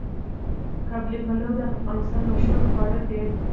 قابلي پلو د افغانستان مشهور خواړه دي.